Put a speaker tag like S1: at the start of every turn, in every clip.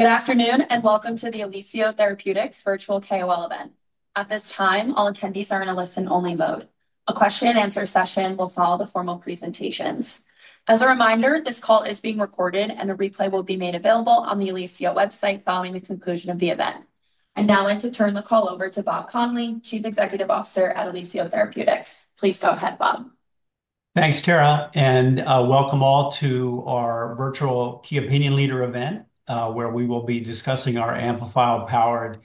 S1: Good afternoon, and welcome to the Elicio Therapeutics Virtual KOL Event. At this time, all attendees are in a listen-only mode. A question-and-answer session will follow the formal presentations. As a reminder, this call is being recorded, and a replay will be made available on the Elicio website following the conclusion of the event. I'd now like to turn the call over to Bob Connelly, Chief Executive Officer at Elicio Therapeutics. Please go ahead, Bob.
S2: Thanks, Tara, and welcome all to our virtual Key Opinion Leader event, where we will be discussing our amplifier-powered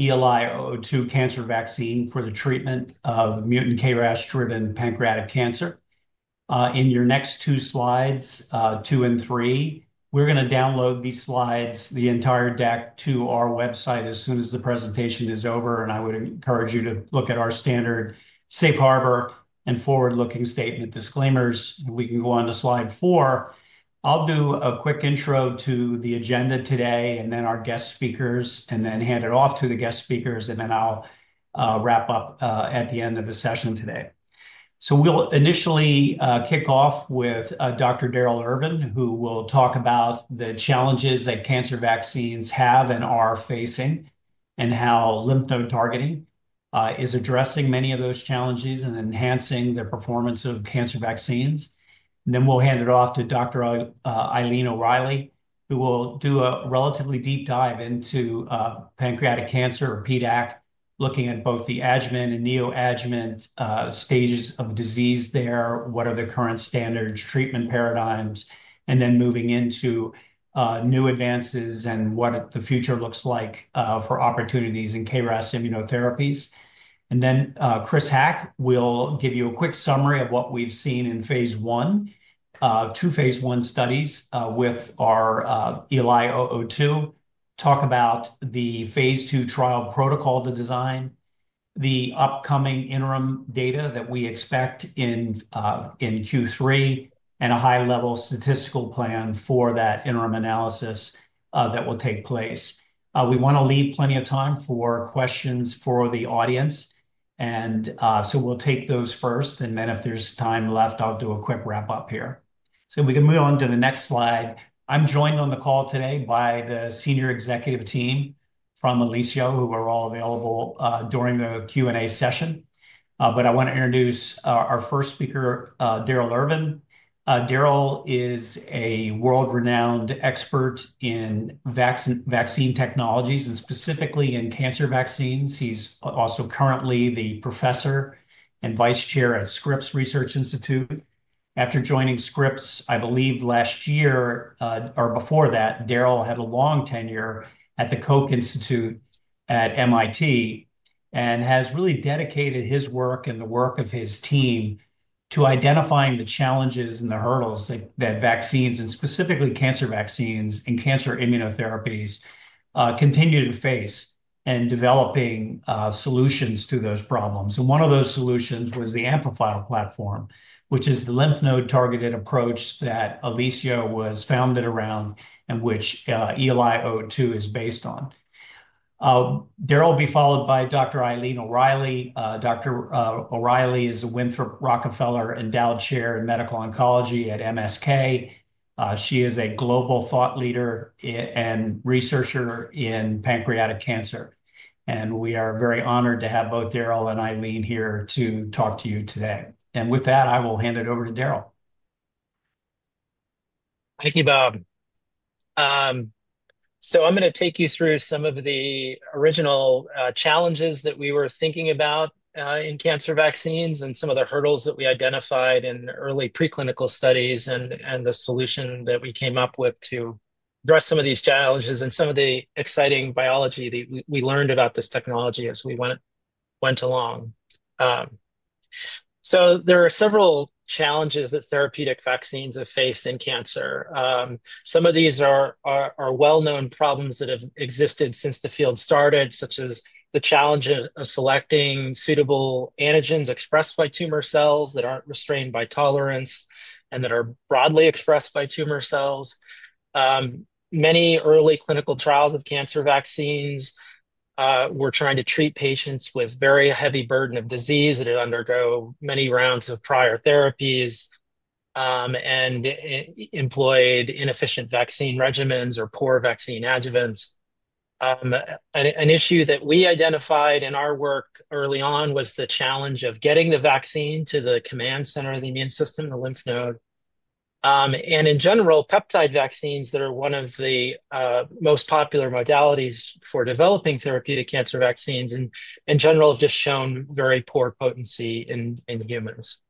S2: ELI-002 cancer vaccine for the treatment of mutant KRAS-driven pancreatic cancer. In your next two slides, two and three, we're going to download these slides, the entire deck, to our website as soon as the presentation is over, and I would encourage you to look at our standard safe harbor and forward-looking statement disclaimers. We can go on to slide four. I'll do a quick intro to the agenda today and then our guest speakers, and then hand it off to the guest speakers, and then I'll wrap up at the end of the session today. We will initially kick off with Dr. Dr. Darrell Irvine, who will talk about the challenges that cancer vaccines have and are facing, and how lymph node targeting is addressing many of those challenges and enhancing the performance of cancer vaccines. We will hand it off to Dr. Eileen O'Reilly, who will do a relatively deep dive into pancreatic cancer, or PDAC, looking at both the adjuvant and neoadjuvant stages of disease there, what are the current standards, treatment paradigms, and then moving into new advances and what the future looks like for opportunities in KRAS immunotherapies. Chris Haqq will give you a quick summary of what we've seen in phase one of two phase one studies with our ELI-002, talk about the phase two trial protocol to design, the upcoming interim data that we expect in Q3, and a high-level statistical plan for that interim analysis that will take place. We want to leave plenty of time for questions for the audience, and so we'll take those first, and then if there's time left, I'll do a quick wrap-up here. We can move on to the next slide. I'm joined on the call today by the senior executive team from Elicio, who are all available during the Q&A session, but I want to introduce our first speaker, Darrell Irvine. Darrell is a world-renowned expert in vaccine technologies and specifically in cancer vaccines. He's also currently the professor and Vice Chair at Scripps Research Institute. After joining Scripps, I believe last year or before that, Darrell had a long tenure at the Koch Institute at MIT and has really dedicated his work and the work of his team to identifying the challenges and the hurdles that vaccines, and specifically cancer vaccines and cancer immunotherapies, continue to face and developing solutions to those problems. One of those solutions was the Amplifier platform, which is the lymph node-targeted approach that Elicio was founded around and which ELI-002 is based on. Darrell will be followed by Dr. Eileen O'Reilly. Dr. O'Reilly is a Winthrop-Rockefeller Endowed Chair in Medical Oncology at MSK. She is a global thought leader and researcher in pancreatic cancer, and we are very honored to have both Darrell and Eileen here to talk to you today. With that, I will hand it over to Darrell.
S3: Thank you, Bob. I'm going to take you through some of the original challenges that we were thinking about in cancer vaccines and some of the hurdles that we identified in early preclinical studies and the solution that we came up with to address some of these challenges and some of the exciting biology that we learned about this technology as we went along. There are several challenges that therapeutic vaccines have faced in cancer. Some of these are well-known problems that have existed since the field started, such as the challenge of selecting suitable antigens expressed by tumor cells that aren't restrained by tolerance and that are broadly expressed by tumor cells. Many early clinical trials of cancer vaccines were trying to treat patients with very heavy burden of disease that undergo many rounds of prior therapies and employed inefficient vaccine regimens or poor vaccine adjuvants. An issue that we identified in our work early on was the challenge of getting the vaccine to the command center of the immune system, the lymph node. In general, peptide vaccines that are one of the most popular modalities for developing therapeutic cancer vaccines in general have just shown very poor potency in humans.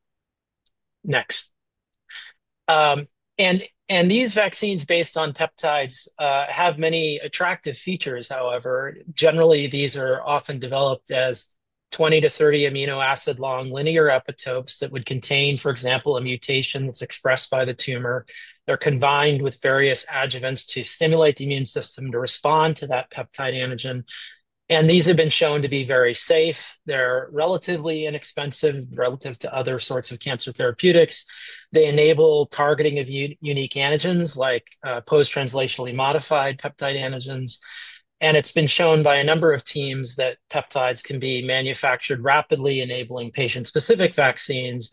S3: Next. These vaccines based on peptides have many attractive features, however. Generally, these are often developed as 20-30 amino acid long linear epitopes that would contain, for example, a mutation that's expressed by the tumor. They're combined with various adjuvants to stimulate the immune system to respond to that peptide antigen. These have been shown to be very safe. They're relatively inexpensive relative to other sorts of cancer therapeutics. They enable targeting of unique antigens like post-translationally modified peptide antigens. It's been shown by a number of teams that peptides can be manufactured rapidly, enabling patient-specific vaccines,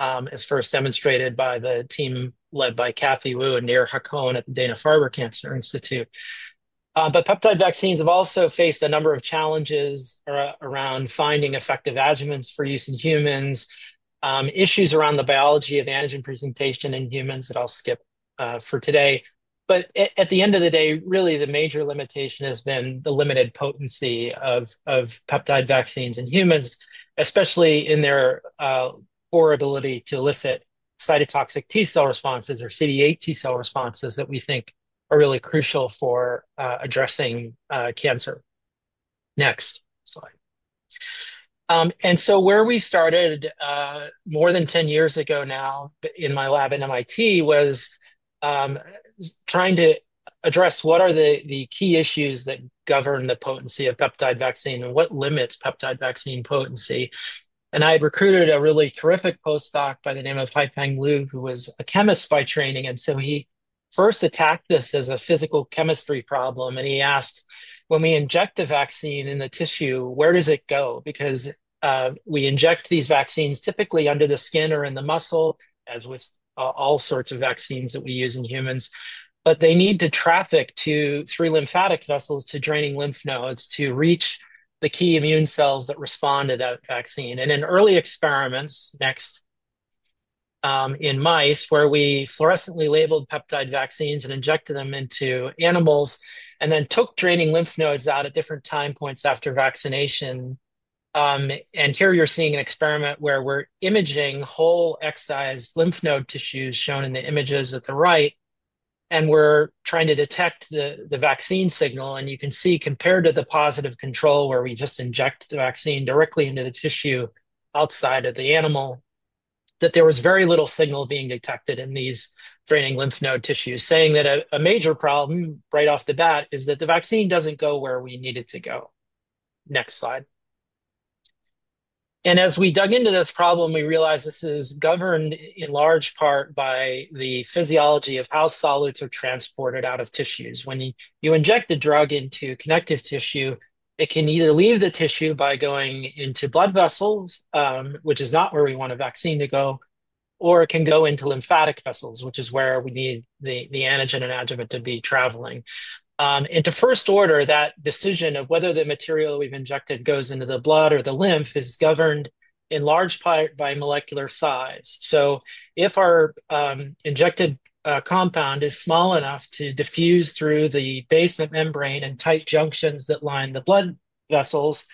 S3: as first demonstrated by the team led by Cathy Wu and Nir Hacohen at the Dana-Farber Cancer Institute. Peptide vaccines have also faced a number of challenges around finding effective adjuvants for use in humans, issues around the biology of antigen presentation in humans that I'll skip for today. At the end of the day, really, the major limitation has been the limited potency of peptide vaccines in humans, especially in their poor ability to elicit cytotoxic T-cell responses or CD8 T-cell responses that we think are really crucial for addressing cancer. Next slide. Where we started more than 10 years ago now in my lab at MIT was trying to address what are the key issues that govern the potency of peptide vaccine and what limits peptide vaccine potency. I had recruited a really terrific postdoc by the name of Haifeng Liu, who was a chemist by training. He first attacked this as a physical chemistry problem, and he asked, when we inject a vaccine in the tissue, where does it go? We inject these vaccines typically under the skin or in the muscle, as with all sorts of vaccines that we use in humans, but they need to traffic through lymphatic vessels to draining lymph nodes to reach the key immune cells that respond to that vaccine. In early experiments, next, in mice, where we fluorescently labeled peptide vaccines and injected them into animals and then took draining lymph nodes out at different time points after vaccination. Here you're seeing an experiment where we're imaging whole excised lymph node tissues shown in the images at the right, and we're trying to detect the vaccine signal. You can see compared to the positive control where we just inject the vaccine directly into the tissue outside of the animal, that there was very little signal being detected in these draining lymph node tissues, saying that a major problem right off the bat is that the vaccine doesn't go where we need it to go. Next slide. As we dug into this problem, we realized this is governed in large part by the physiology of how solids are transported out of tissues. When you inject a drug into connective tissue, it can either leave the tissue by going into blood vessels, which is not where we want a vaccine to go, or it can go into lymphatic vessels, which is where we need the antigen and adjuvant to be traveling. To first order, that decision of whether the material we've injected goes into the blood or the lymph is governed in large part by molecular size. If our injected compound is small enough to diffuse through the basement membrane and tight junctions that line the blood vessels,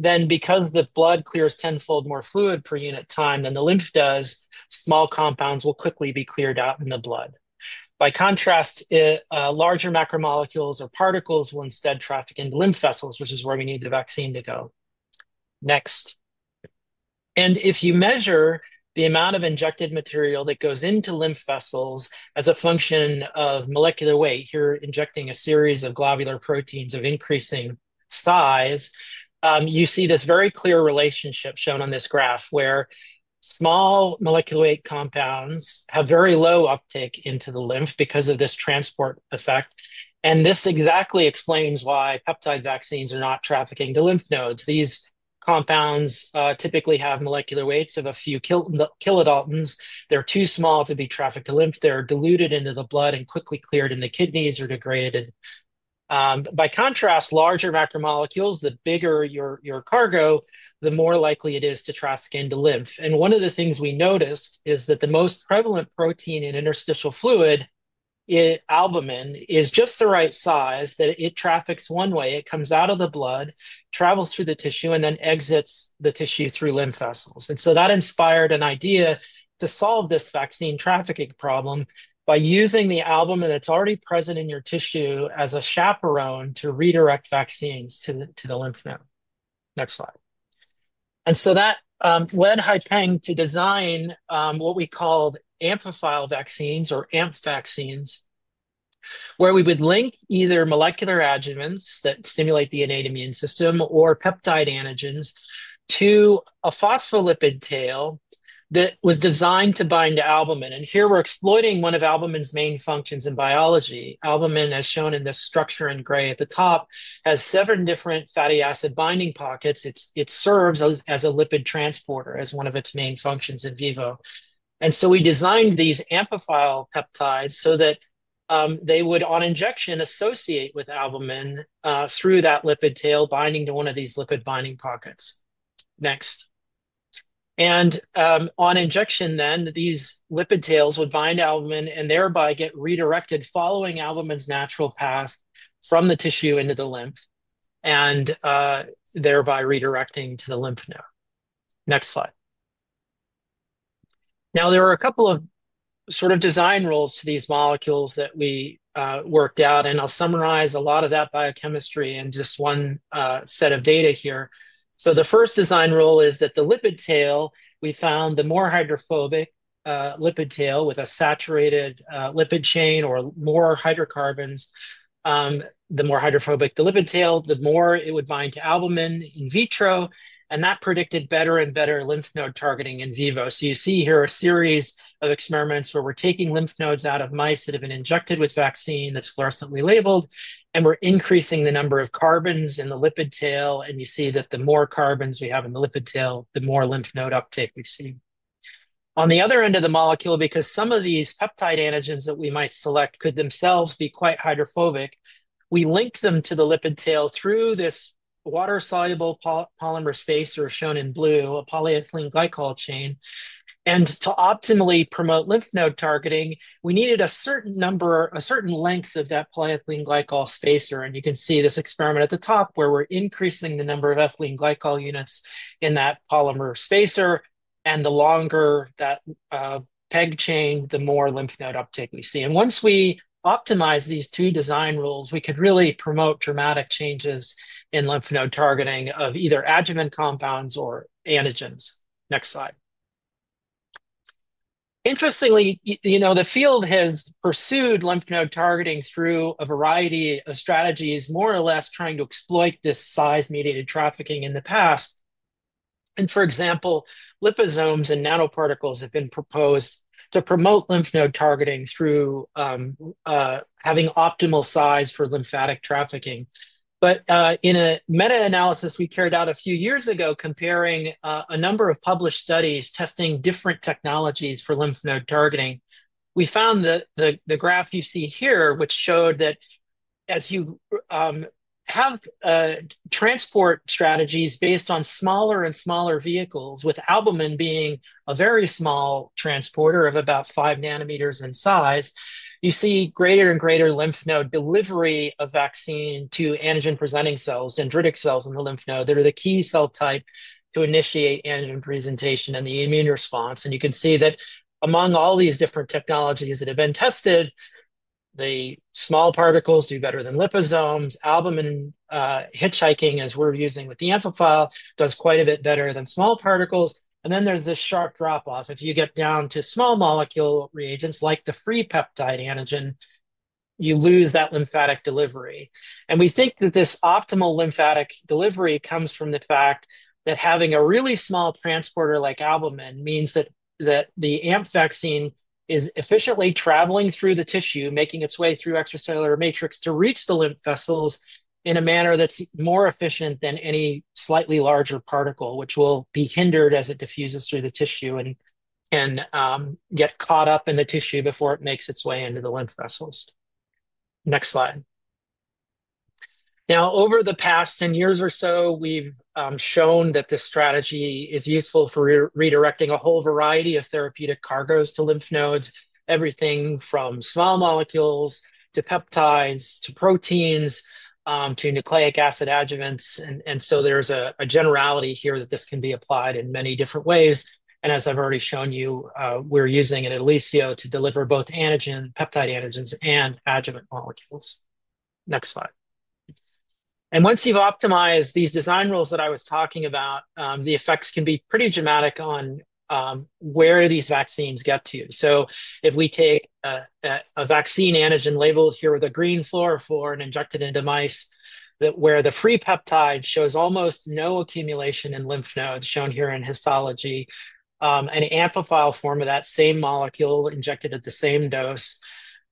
S3: then because the blood clears tenfold more fluid per unit time than the lymph does, small compounds will quickly be cleared out in the blood. By contrast, larger macromolecules or particles will instead traffic into lymph vessels, which is where we need the vaccine to go. Next. If you measure the amount of injected material that goes into lymph vessels as a function of molecular weight, you're injecting a series of globular proteins of increasing size. You see this very clear relationship shown on this graph where small molecular weight compounds have very low uptake into the lymph because of this transport effect. This exactly explains why peptide vaccines are not trafficking to lymph nodes. These compounds typically have molecular weights of a few kilodaltons. They're too small to be trafficked to lymph. They're diluted into the blood and quickly cleared in the kidneys or degraded. By contrast, larger macromolecules, the bigger your cargo, the more likely it is to traffic into lymph. One of the things we noticed is that the most prevalent protein in interstitial fluid, albumin, is just the right size that it traffics one way. It comes out of the blood, travels through the tissue, and then exits the tissue through lymph vessels. That inspired an idea to solve this vaccine trafficking problem by using the albumin that's already present in your tissue as a chaperone to redirect vaccines to the lymph node. Next slide. That led Haifeng to design what we called amplifier vaccines or AMP vaccines, where we would link either molecular adjuvants that stimulate the innate immune system or peptide antigens to a phospholipid tail that was designed to bind to albumin. Here we're exploiting one of albumin's main functions in biology. Albumin, as shown in this structure in gray at the top, has seven different fatty acid binding pockets. It serves as a lipid transporter as one of its main functions in vivo. We designed these amplifier peptides so that they would, on injection, associate with albumin through that lipid tail binding to one of these lipid binding pockets. Next. On injection then, these lipid tails would bind albumin and thereby get redirected following albumin's natural path from the tissue into the lymph and thereby redirecting to the lymph node. Next slide. There are a couple of sort of design rules to these molecules that we worked out, and I'll summarize a lot of that biochemistry in just one set of data here. The first design rule is that the lipid tail, we found the more hydrophobic lipid tail with a saturated lipid chain or more hydrocarbons, the more hydrophobic the lipid tail, the more it would bind to albumin in vitro, and that predicted better and better lymph node targeting in vivo. You see here a series of experiments where we're taking lymph nodes out of mice that have been injected with vaccine that's fluorescently labeled, and we're increasing the number of carbons in the lipid tail, and you see that the more carbons we have in the lipid tail, the more lymph node uptake we see. On the other end of the molecule, because some of these peptide antigens that we might select could themselves be quite hydrophobic, we linked them to the lipid tail through this water-soluble polymer spacer shown in blue, a polyethylene glycol chain. To optimally promote lymph node targeting, we needed a certain number, a certain length of that polyethylene glycol spacer. You can see this experiment at the top where we're increasing the number of ethylene glycol units in that polymer spacer, and the longer that peg chain, the more lymph node uptake we see. Once we optimize these two design rules, we could really promote dramatic changes in lymph node targeting of either adjuvant compounds or antigens. Next slide. Interestingly, you know the field has pursued lymph node targeting through a variety of strategies, more or less trying to exploit this size-mediated trafficking in the past. For example, liposomes and nanoparticles have been proposed to promote lymph node targeting through having optimal size for lymphatic trafficking. In a meta-analysis we carried out a few years ago comparing a number of published studies testing different technologies for lymph node targeting, we found the graph you see here, which showed that as you have transport strategies based on smaller and smaller vehicles, with albumin being a very small transporter of about 5 nanometers in size, you see greater and greater lymph node delivery of vaccine to antigen-presenting cells, dendritic cells in the lymph node that are the key cell type to initiate antigen presentation and the immune response. You can see that among all these different technologies that have been tested, the small particles do better than liposomes. Albumin hitchhiking, as we're using with the amplifier, does quite a bit better than small particles. There is this sharp drop-off. If you get down to small molecule reagents like the free peptide antigen, you lose that lymphatic delivery. We think that this optimal lymphatic delivery comes from the fact that having a really small transporter like albumin means that the AMP vaccine is efficiently traveling through the tissue, making its way through extracellular matrix to reach the lymph vessels in a manner that's more efficient than any slightly larger particle, which will be hindered as it diffuses through the tissue and can get caught up in the tissue before it makes its way into the lymph vessels. Next slide. Now, over the past 10 years or so, we've shown that this strategy is useful for redirecting a whole variety of therapeutic cargoes to lymph nodes, everything from small molecules to peptides to proteins to nucleic acid adjuvants. There is a generality here that this can be applied in many different ways. As I have already shown you, we are using it at Elicio to deliver both peptide antigens and adjuvant molecules. Next slide. Once you have optimized these design rules that I was talking about, the effects can be pretty dramatic on where these vaccines get to. If we take a vaccine antigen labeled here with a green fluorofluorine injected into mice, where the free peptide shows almost no accumulation in lymph nodes shown here in histology, an amplifier form of that same molecule injected at the same dose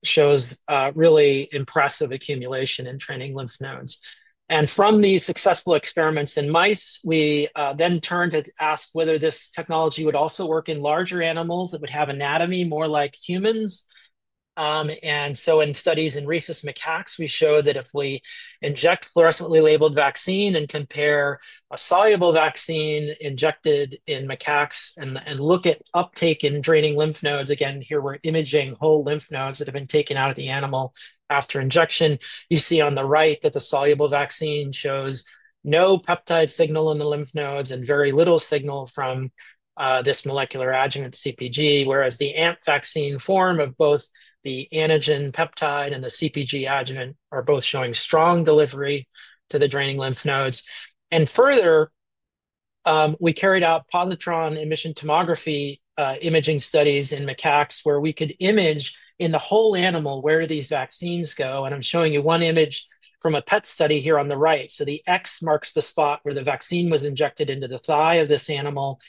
S3: shows really impressive accumulation in draining lymph nodes. From these successful experiments in mice, we then turned to ask whether this technology would also work in larger animals that would have anatomy more like humans. In studies in rhesus macaques, we showed that if we inject fluorescently labeled vaccine and compare a soluble vaccine injected in macaques and look at uptake in draining lymph nodes, here we are imaging whole lymph nodes that have been taken out of the animal after injection. You see on the right that the soluble vaccine shows no peptide signal in the lymph nodes and very little signal from this molecular adjuvant CpG, whereas the AMP vaccine form of both the antigen peptide and the CpG adjuvant are both showing strong delivery to the draining lymph nodes. Further, we carried out positron emission tomography imaging studies in macaques where we could image in the whole animal where these vaccines go. I am showing you one image from a PET study here on the right. The X marks the spot where the vaccine was injected into the thigh of this animal.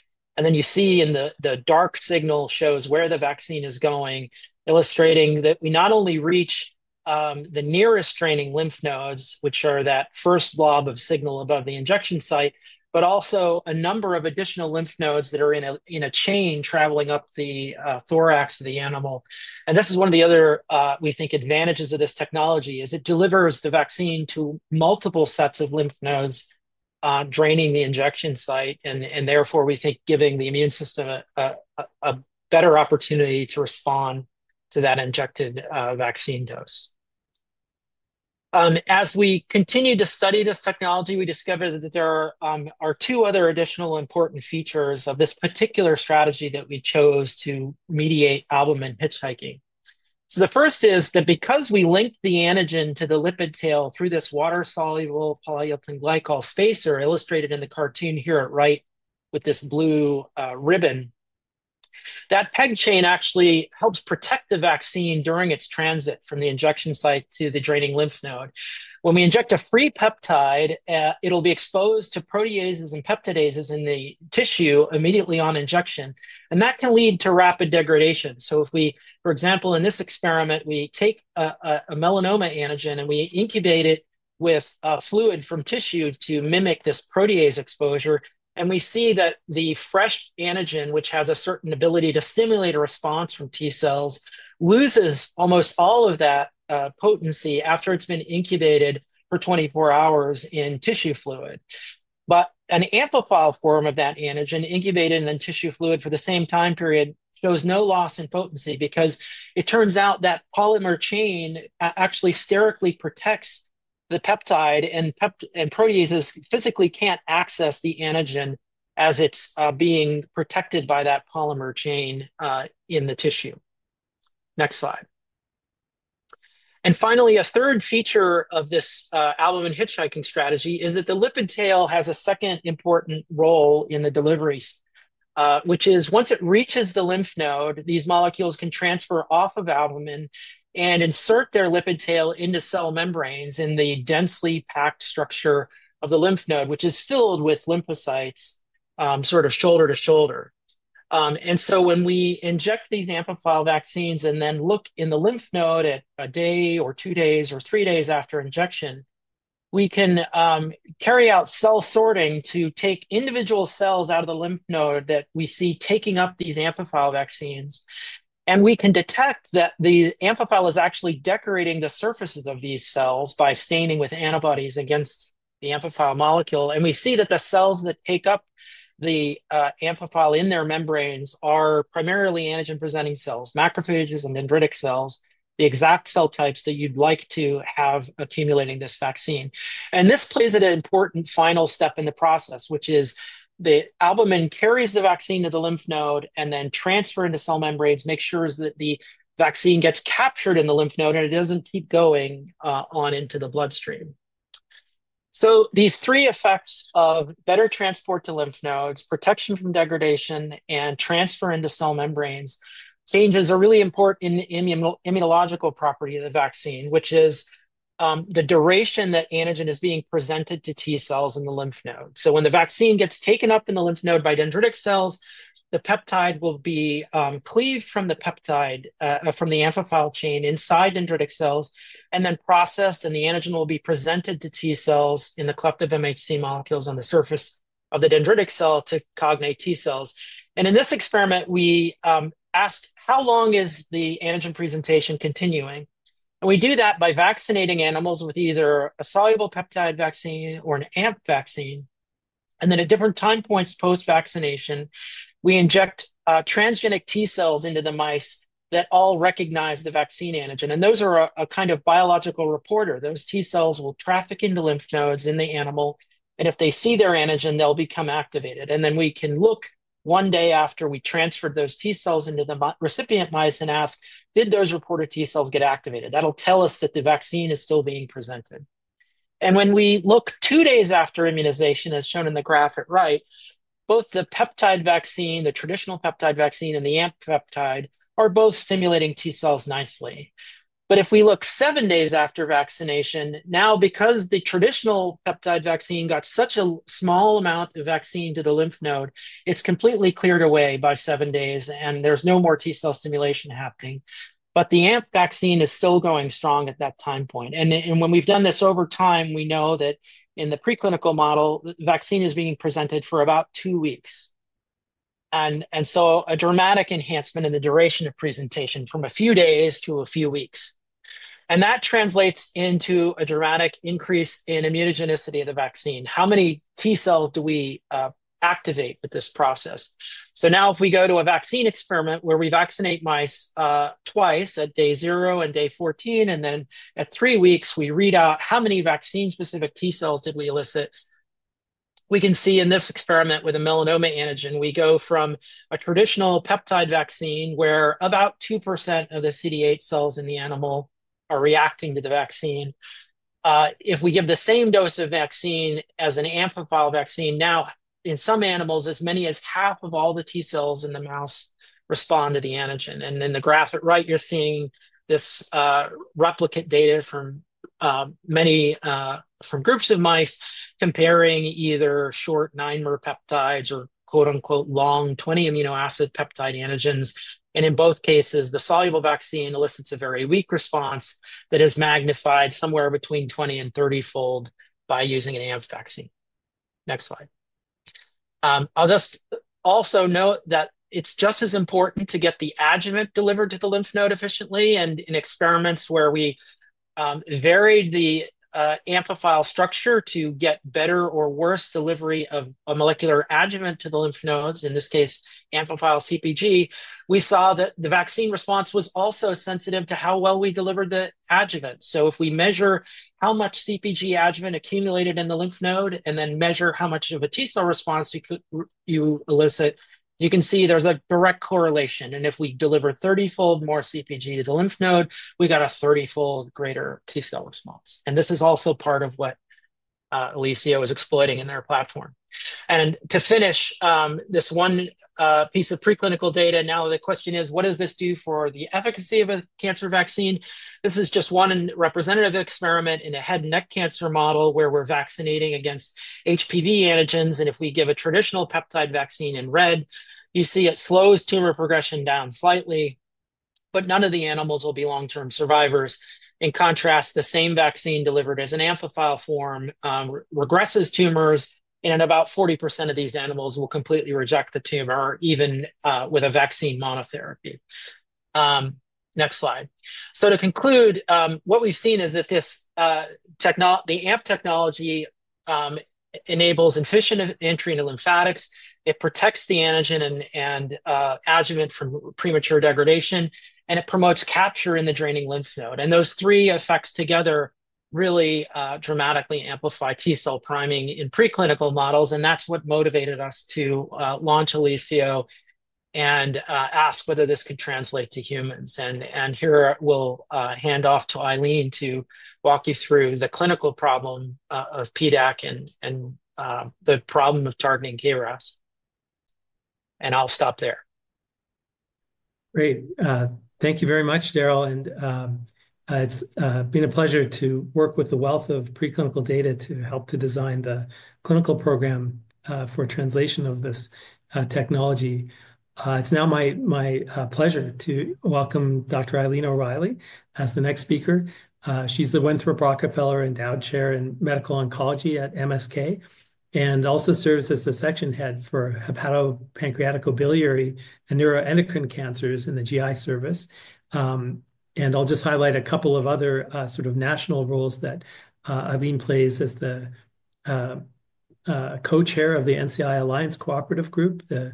S3: You see the dark signal shows where the vaccine is going, illustrating that we not only reach the nearest draining lymph nodes, which are that first blob of signal above the injection site, but also a number of additional lymph nodes that are in a chain traveling up the thorax of the animal. This is one of the other, we think, advantages of this technology. It delivers the vaccine to multiple sets of lymph nodes draining the injection site, and therefore we think giving the immune system a better opportunity to respond to that injected vaccine dose. As we continue to study this technology, we discovered that there are two other additional important features of this particular strategy that we chose to mediate albumin hitchhiking. The first is that because we linked the antigen to the lipid tail through this water-soluble polyethylene glycol spacer illustrated in the cartoon here at right with this blue ribbon, that peg chain actually helps protect the vaccine during its transit from the injection site to the draining lymph node. When we inject a free peptide, it'll be exposed to proteases and peptidases in the tissue immediately on injection, and that can lead to rapid degradation. If we, for example, in this experiment, take a melanoma antigen and incubate it with fluid from tissue to mimic this protease exposure, we see that the fresh antigen, which has a certain ability to stimulate a response from T cells, loses almost all of that potency after it's been incubated for 24 hours in tissue fluid. An amplifier form of that antigen incubated in tissue fluid for the same time period shows no loss in potency because it turns out that polymer chain actually sterically protects the peptide, and proteases physically can't access the antigen as it's being protected by that polymer chain in the tissue. Next slide. Finally, a third feature of this albumin hitchhiking strategy is that the lipid tail has a second important role in the delivery, which is once it reaches the lymph node, these molecules can transfer off of albumin and insert their lipid tail into cell membranes in the densely packed structure of the lymph node, which is filled with lymphocytes sort of shoulder to shoulder. When we inject these amplifier vaccines and then look in the lymph node at a day or two days or three days after injection, we can carry out cell sorting to take individual cells out of the lymph node that we see taking up these amplifier vaccines. We can detect that the amplifier is actually decorating the surfaces of these cells by staining with antibodies against the amplifier molecule. We see that the cells that take up the amplifier in their membranes are primarily antigen-presenting cells, macrophages, and dendritic cells, the exact cell types that you'd like to have accumulating this vaccine. This plays at an important final step in the process, which is the albumin carries the vaccine to the lymph node and then transfer into cell membranes, makes sure that the vaccine gets captured in the lymph node, and it doesn't keep going on into the bloodstream. These three effects of better transport to lymph nodes, protection from degradation, and transfer into cell membranes changes are really important in the immunological property of the vaccine, which is the duration that antigen is being presented to T cells in the lymph node. When the vaccine gets taken up in the lymph node by dendritic cells, the peptide will be cleaved from the peptide from the amplifier chain inside dendritic cells and then processed, and the antigen will be presented to T cells in the collective MHC molecules on the surface of the dendritic cell to cognate T cells. In this experiment, we asked how long is the antigen presentation continuing. We do that by vaccinating animals with either a soluble peptide vaccine or an AMP vaccine. At different time points post-vaccination, we inject transgenic T cells into the mice that all recognize the vaccine antigen. Those are a kind of biological reporter. Those T cells will traffic into lymph nodes in the animal, and if they see their antigen, they'll become activated. We can look one day after we transferred those T cells into the recipient mice and ask, did those reporter T cells get activated? That'll tell us that the vaccine is still being presented. When we look two days after immunization, as shown in the graph at right, both the peptide vaccine, the traditional peptide vaccine, and the AMP peptide are both stimulating T cells nicely. If we look seven days after vaccination, now, because the traditional peptide vaccine got such a small amount of vaccine to the lymph node, it's completely cleared away by seven days, and there's no more T cell stimulation happening. The AMP vaccine is still going strong at that time point. When we've done this over time, we know that in the preclinical model, the vaccine is being presented for about two weeks. A dramatic enhancement in the duration of presentation from a few days to a few weeks. That translates into a dramatic increase in immunogenicity of the vaccine. How many T cells do we activate with this process? Now if we go to a vaccine experiment where we vaccinate mice twice at day zero and day 14, and then at three weeks, we read out how many vaccine-specific T cells did we elicit. We can see in this experiment with a melanoma antigen, we go from a traditional peptide vaccine where about 2% of the CD8 cells in the animal are reacting to the vaccine. If we give the same dose of vaccine as an amplifier vaccine, now in some animals, as many as half of all the T cells in the mouse respond to the antigen. In the graph at right, you're seeing this replicate data from groups of mice comparing either short 9-mer peptides or "long 20 amino acid peptide antigens." In both cases, the soluble vaccine elicits a very weak response that is magnified somewhere between 20-30-fold by using an AMP vaccine. Next slide. I'll just also note that it's just as important to get the adjuvant delivered to the lymph node efficiently. In experiments where we varied the amplifier structure to get better or worse delivery of a molecular adjuvant to the lymph nodes, in this case, Amphiphile CpG, we saw that the vaccine response was also sensitive to how well we delivered the adjuvant. If we measure how much CpG adjuvant accumulated in the lymph node and then measure how much of a T cell response you elicit, you can see there's a direct correlation. If we deliver 30-fold more CpG to the lymph node, we got a 30-fold greater T cell response. This is also part of what Elicio is exploiting in their platform. To finish this one piece of preclinical data, now the question is, what does this do for the efficacy of a cancer vaccine? This is just one representative experiment in a head and neck cancer model where we're vaccinating against HPV antigens. If we give a traditional peptide vaccine in red, you see it slows tumor progression down slightly, but none of the animals will be long-term survivors. In contrast, the same vaccine delivered as an amplifier form regresses tumors, and about 40% of these animals will completely reject the tumor even with a vaccine monotherapy. Next slide. To conclude, what we've seen is that the AMP technology enables efficient entry into lymphatics. It protects the antigen and adjuvant from premature degradation, and it promotes capture in the draining lymph node. Those three effects together really dramatically amplify T cell priming in preclinical models. That is what motivated us to launch Elicio and ask whether this could translate to humans. Here we'll hand off to Eileen to walk you through the clinical problem of PDAC and the problem of targeting KRAS. I'll stop there.
S4: Great. Thank you very much, Darrell. It has been a pleasure to work with the wealth of preclinical data to help to design the clinical program for translation of this technology. It is now my pleasure to welcome Dr. Eileen O'Reilly as the next speaker. She is the Winthrop Rockefeller Endowed Chair in Medical Oncology at MSK and also serves as the Section Head for hepatopancreaticobiliary and neuroendocrine cancers in the GI service. I will just highlight a couple of other sort of national roles that Eileen plays as the Co-chair of the NCI Alliance Cooperative Group, the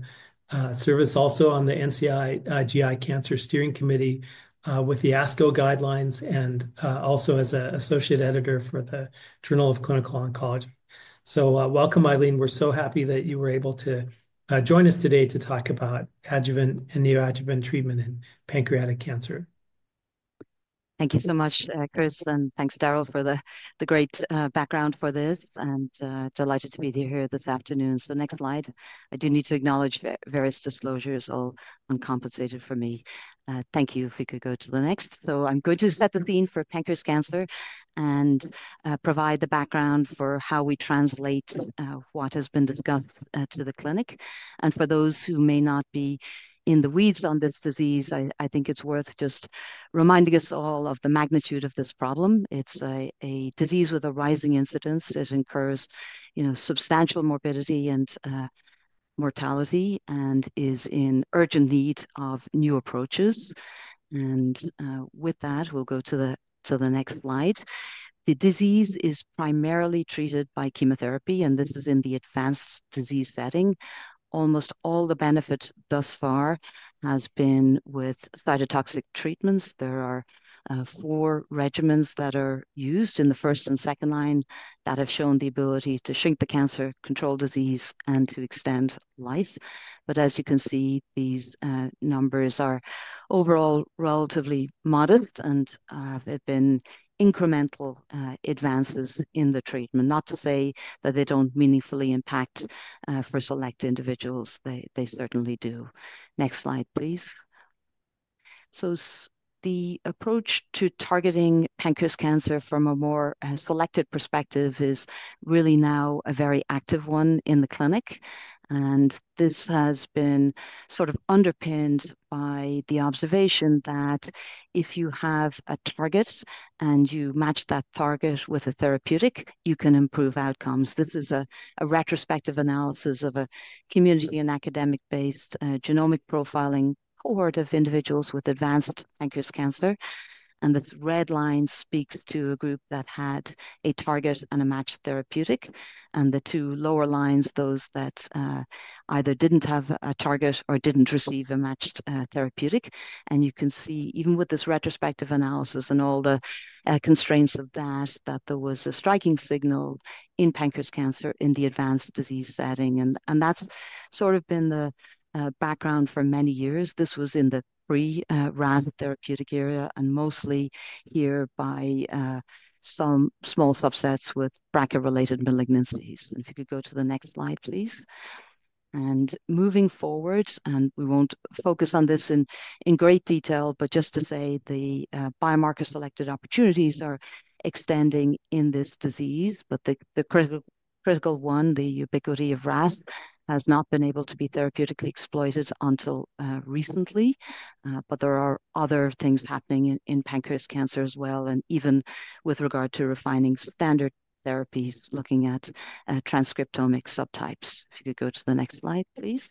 S4: service also on the NCI GI Cancer Steering Committee with the ASCO guidelines, and also as an associate editor for the Journal of Clinical Oncology. Welcome, Eileen. We are so happy that you were able to join us today to talk about adjuvant and neoadjuvant treatment in pancreatic cancer.
S5: Thank you so much, Chris, and thanks, Darrell, for the great background for this. Delighted to be here this afternoon. Next slide. I do need to acknowledge various disclosures. All uncompensated for me. Thank you. If we could go to the next. I'm going to set the scene for pancreas cancer and provide the background for how we translate what has been discussed to the clinic. For those who may not be in the weeds on this disease, I think it's worth just reminding us all of the magnitude of this problem. It's a disease with a rising incidence. It incurs substantial morbidity and mortality and is in urgent need of new approaches. With that, we'll go to the next slide. The disease is primarily treated by chemotherapy, and this is in the advanced disease setting. Almost all the benefit thus far has been with cytotoxic treatments. There are four regimens that are used in the first and second line that have shown the ability to shrink the cancer, control disease, and to extend life. As you can see, these numbers are overall relatively modest and have been incremental advances in the treatment. Not to say that they do not meaningfully impact for select individuals. They certainly do. Next slide, please. The approach to targeting pancreas cancer from a more selected perspective is really now a very active one in the clinic. This has been sort of underpinned by the observation that if you have a target and you match that target with a therapeutic, you can improve outcomes. This is a retrospective analysis of a community and academic-based genomic profiling cohort of individuals with advanced pancreas cancer. This red line speaks to a group that had a target and a matched therapeutic. The two lower lines, those that either did not have a target or did not receive a matched therapeutic. You can see even with this retrospective analysis and all the constraints of that, that there was a striking signal in pancreas cancer in the advanced disease setting. That has sort of been the background for many years. This was in the pre-RAS therapeutic area and mostly here by some small subsets with BRCA-related malignancies. If you could go to the next slide, please. Moving forward, we will not focus on this in great detail, but just to say the biomarker-selected opportunities are extending in this disease. The critical one, the ubiquity of RAS, has not been able to be therapeutically exploited until recently. There are other things happening in pancreas cancer as well, and even with regard to refining standard therapies, looking at transcriptomic subtypes. If you could go to the next slide, please.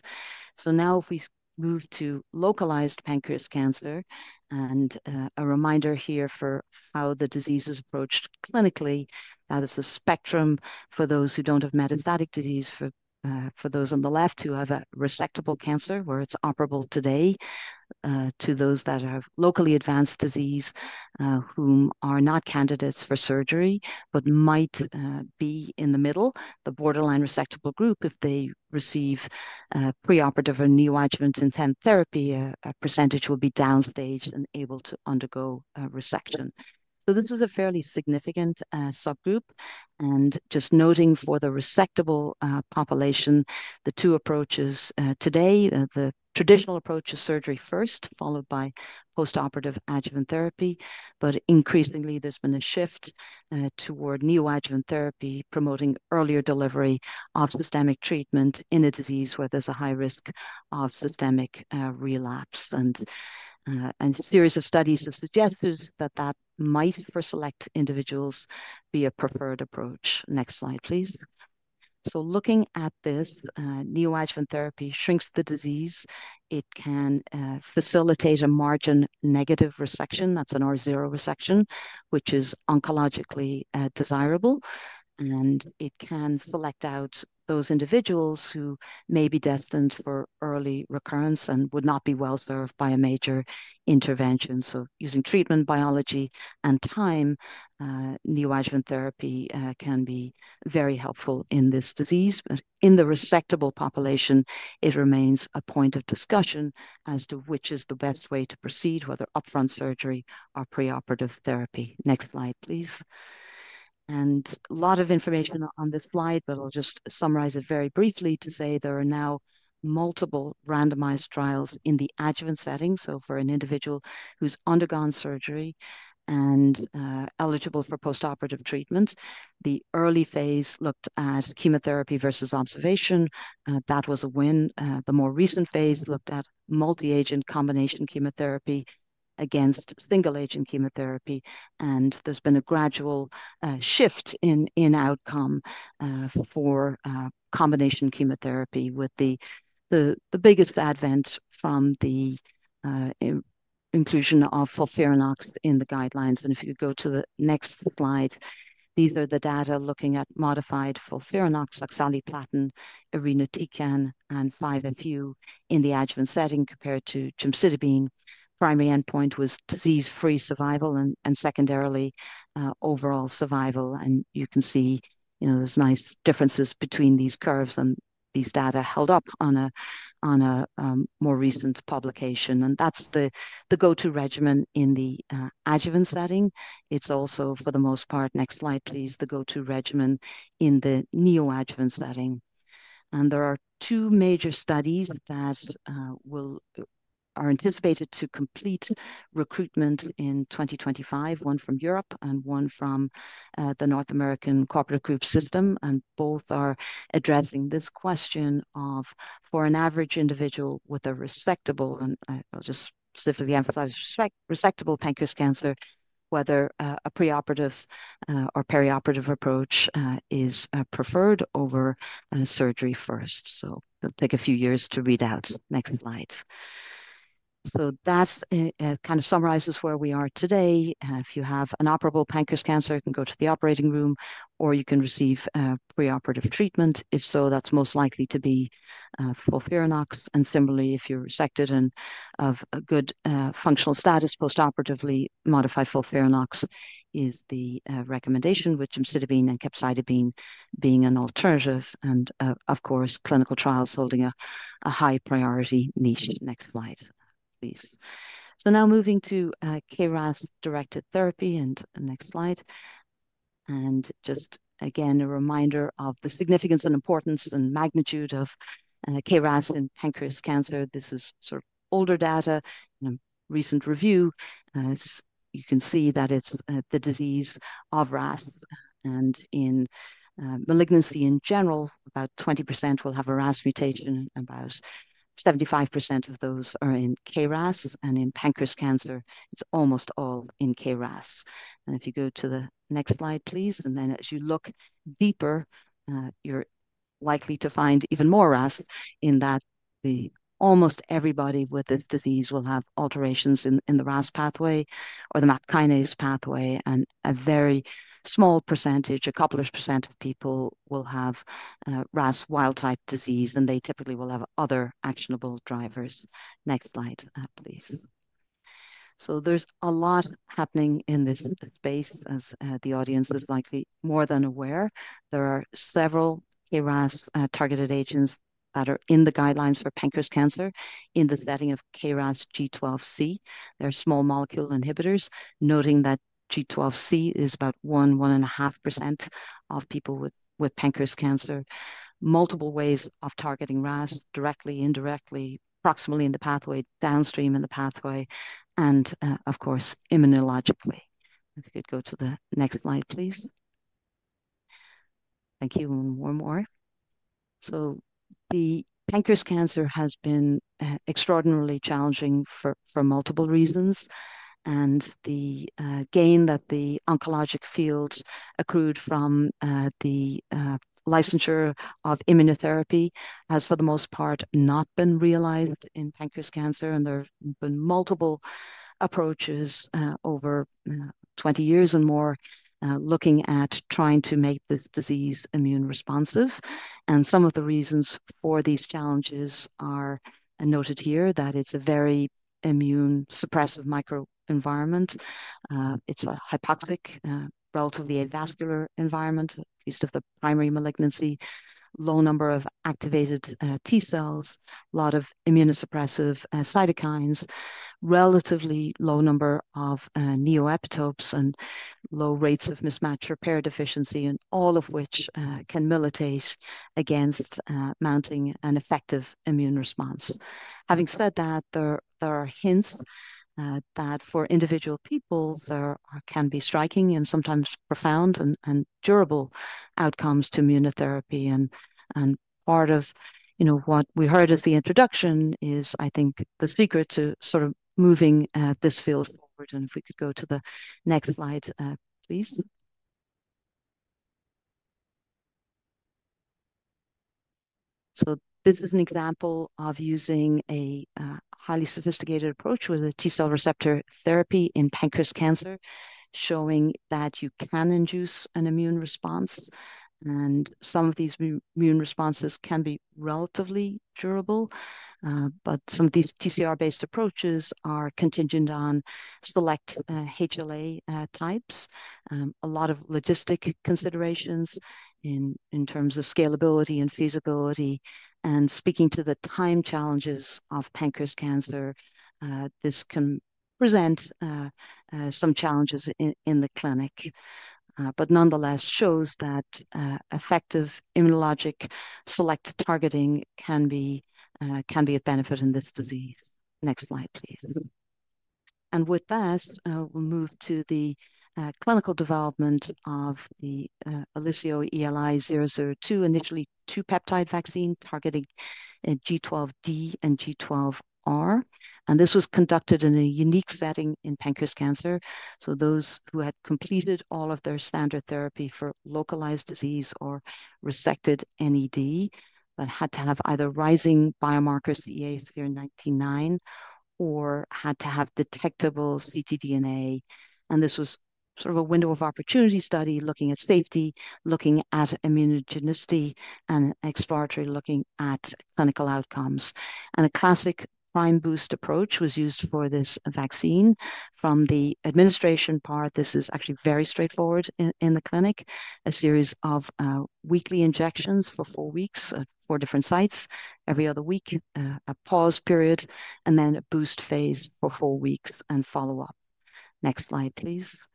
S5: Now if we move to localized pancreas cancer and a reminder here for how the disease is approached clinically, that is a spectrum for those who do not have metastatic disease, for those on the left who have a resectable cancer where it is operable today, to those that have locally advanced disease who are not candidates for surgery but might be in the middle, the borderline resectable group, if they receive preoperative or neoadjuvant intent therapy, a percentage will be downstaged and able to undergo resection. This is a fairly significant subgroup. Just noting for the resectable population, the two approaches today, the traditional approach is surgery first, followed by postoperative adjuvant therapy. Increasingly, there's been a shift toward neoadjuvant therapy promoting earlier delivery of systemic treatment in a disease where there's a high risk of systemic relapse. A series of studies have suggested that that might for select individuals be a preferred approach. Next slide, please. Looking at this, neoadjuvant therapy shrinks the disease. It can facilitate a margin negative resection. That's an R0 resection, which is oncologically desirable. It can select out those individuals who may be destined for early recurrence and would not be well served by a major intervention. Using treatment biology and time, neoadjuvant therapy can be very helpful in this disease. In the resectable population, it remains a point of discussion as to which is the best way to proceed, whether upfront surgery or preoperative therapy. Next slide, please. A lot of information on this slide, but I'll just summarize it very briefly to say there are now multiple randomized trials in the adjuvant setting. For an individual who's undergone surgery and eligible for postoperative treatment, the early phase looked at chemotherapy versus observation. That was a win. The more recent phase looked at multi-agent combination chemotherapy against single-agent chemotherapy. There's been a gradual shift in outcome for combination chemotherapy with the biggest advent from the inclusion of FOLFIRINOX in the guidelines. If you could go to the next slide, these are the data looking at modified FOLFIRINOX, oxaliplatin, irinotecan, and 5-FU in the adjuvant setting compared to gemcitabine. Primary endpoint was disease-free survival and secondarily overall survival. You can see there's nice differences between these curves and these data held up on a more recent publication. That's the go-to regimen in the adjuvant setting. It's also, for the most part, the go-to regimen in the neoadjuvant setting. There are two major studies that are anticipated to complete recruitment in 2025, one from Europe and one from the North American Cooperative Group System. Both are addressing this question of, for an average individual with a resectable, and I'll just specifically emphasize resectable pancreas cancer, whether a preoperative or perioperative approach is preferred over surgery first. It will take a few years to read out. That kind of summarizes where we are today. If you have an operable pancreas cancer, you can go to the operating room or you can receive preoperative treatment. If so, that's most likely to be FOLFIRINOX. Similarly, if you're resected and of good functional status postoperatively, modified FOLFIRINOX is the recommendation, with gemcitabine and capecitabine being an alternative. Of course, clinical trials hold a high priority niche. Next slide, please. Now moving to KRAS-directed therapy. Next slide. Just again, a reminder of the significance and importance and magnitude of KRAS in pancreas cancer. This is sort of older data in a recent review. You can see that it's the disease of RAS and in malignancy in general, about 20% will have a RAS mutation and about 75% of those are in KRAS. In pancreas cancer, it's almost all in KRAS. If you go to the next slide, please, and then as you look deeper, you're likely to find even more RAS in that almost everybody with this disease will have alterations in the RAS pathway or the MAP kinase pathway. A very small percentage, a couple of percent of people will have RAS wild-type disease, and they typically will have other actionable drivers. Next slide, please. There is a lot happening in this space, as the audience is likely more than aware. There are several KRAS targeted agents that are in the guidelines for pancreas cancer in the setting of KRAS G12C. There are small molecule inhibitors, noting that G12C is about 1-1.5% of people with pancreas cancer. Multiple ways of targeting RAS directly, indirectly, proximally in the pathway, downstream in the pathway, and of course, immunologically. If you could go to the next slide, please. Thank you. One more. The pancreas cancer has been extraordinarily challenging for multiple reasons. The gain that the oncologic fields accrued from the Licensure of Immunotherapy has for the most part not been realized in pancreas cancer. There have been multiple approaches over 20 years and more looking at trying to make this disease immune responsive. Some of the reasons for these challenges are noted here, that it is a very immune suppressive microenvironment. It is a hypoxic, relatively avascular environment, at least of the primary malignancy, low number of activated T cells, a lot of immunosuppressive cytokines, relatively low number of neoepitopes, and low rates of mismatch repair deficiency, all of which can militate against mounting an effective immune response. Having said that, there are hints that for individual people, there can be striking and sometimes profound and durable outcomes to immunotherapy. Part of what we heard as the introduction is, I think, the secret to sort of moving this field forward. If we could go to the next slide, please. This is an example of using a highly sophisticated approach with a T cell receptor therapy in pancreas cancer, showing that you can induce an immune response. Some of these immune responses can be relatively durable. Some of these TCR-based approaches are contingent on select HLA types. A lot of logistic considerations in terms of scalability and feasibility. Speaking to the time challenges of pancreas cancer, this can present some challenges in the clinic. Nonetheless, shows that effective immunologic select targeting can be a benefit in this disease. Next slide, please. With that, we'll move to the clinical development of the Elicio ELI-002, initially two peptide vaccine targeting G12D and G12R. This was conducted in a unique setting in pancreas cancer. Those who had completed all of their standard therapy for localized disease or resected NED but had to have either rising biomarkers, EA099, or had to have detectable ctDNA. This was sort of a window of opportunity study looking at safety, looking at immunogenicity, and exploratory looking at clinical outcomes. A classic prime boost approach was used for this vaccine. From the administration part, this is actually very straightforward in the clinic, a series of weekly injections for four weeks at four different sites, every other week, a pause period, and then a boost phase for four weeks and follow up. Next slide, please.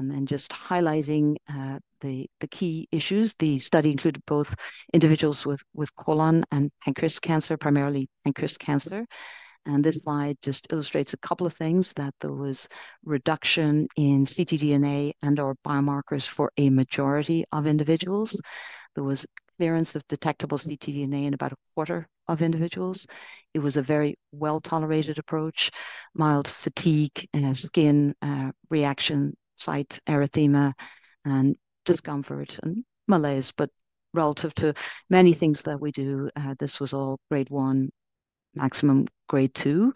S5: Highlighting the key issues, the study included both individuals with colon and pancreas cancer, primarily pancreas cancer. This slide just illustrates a couple of things, that there was reduction in ctDNA and/or biomarkers for a majority of individuals. There was clearance of detectable ctDNA in about a quarter of individuals. It was a very well-tolerated approach, mild fatigue, skin reaction site, erythema, and discomfort and malaise. Relative to many things that we do, this was all grade one, maximum grade two.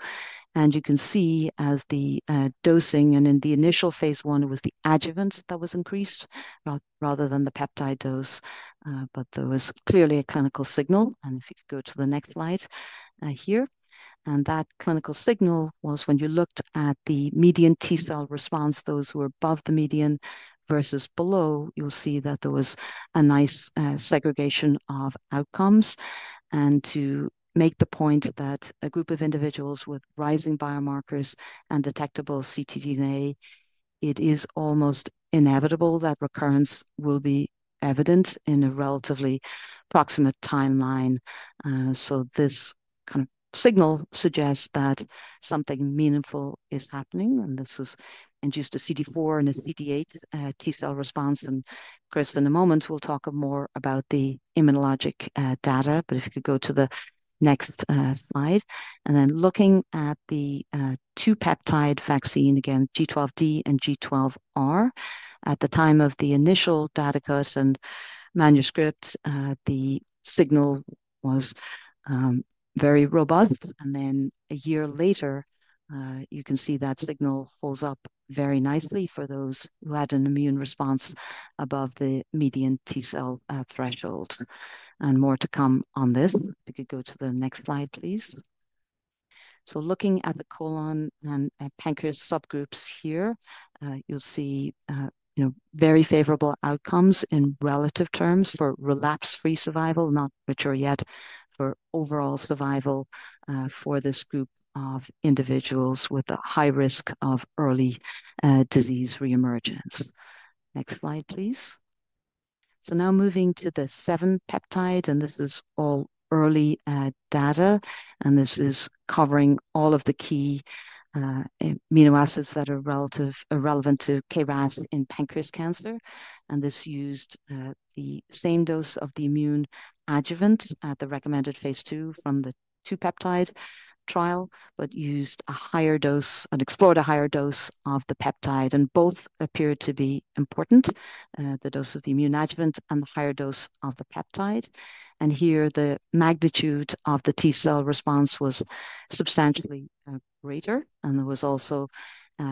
S5: You can see as the dosing and in the initial phase one, it was the adjuvant that was increased rather than the peptide dose. There was clearly a clinical signal. If you could go to the next slide here. That clinical signal was when you looked at the median T cell response, those who were above the median versus below, you'll see that there was a nice segregation of outcomes. To make the point that a group of individuals with rising biomarkers and detectable ctDNA, it is almost inevitable that recurrence will be evident in a relatively proximate timeline. This kind of signal suggests that something meaningful is happening. This has induced a CD4 and a CD8 T-cell response. Chris, in a moment, will talk more about the immunologic data. If you could go to the next slide. Looking at the two peptide vaccine, again, G12D and G12R, at the time of the initial data cursed and manuscript, the signal was very robust. A year later, you can see that signal holds up very nicely for those who had an immune response above the median T-cell threshold. More to come on this. If you could go to the next slide, please. Looking at the colon and pancreas subgroups here, you'll see very favorable outcomes in relative terms for relapse-free survival, not mature yet, for overall survival for this group of individuals with a high risk of early disease reemergence. Next slide, please. Now moving to the seven peptide. This is all early data. This is covering all of the key amino acids that are relevant to KRAS in pancreas cancer. This used the same dose of the immune adjuvant at the recommended phase two from the two peptide trial, but used a higher dose and explored a higher dose of the peptide. Both appear to be important, the dose of the immune adjuvant and the higher dose of the peptide. Here, the magnitude of the T cell response was substantially greater. There were also